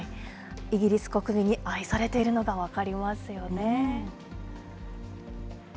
イギリス国民に愛されているのが分かりますよね。